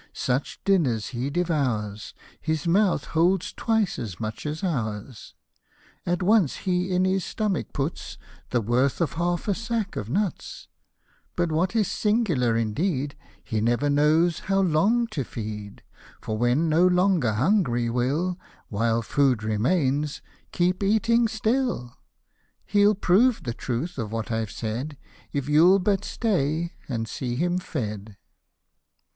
such dinners he devours ; His mouth holds twice as much as our's ; 113 At once he in his stomach puts The worth of half a sack of nuts ; But, what is singular indeed, He never knows how long to feed ; But when no longer hungry will, While food remains, keep eating still : He'll prove the truth of what I've said, If you'll but stay, and see him fed.